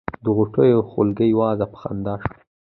د غوټیو خولګۍ وازه په خندا شوه.